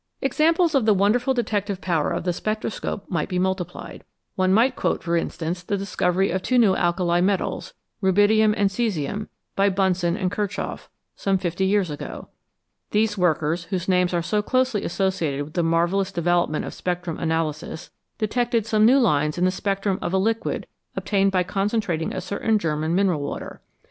Examples of the wonderful detective power of the spectroscope might be multiplied. One might quote, for instance, the discovery of two new alkali metals, rubidium and caesium, by Bunsen and Kirchhoff, some fifty years ago. These workers, whose names are so closely associated with the marvellous development of spectrum analysis, detected some new lines in the spectrum of a liquid ob tained by concentrating a certain German mineral water.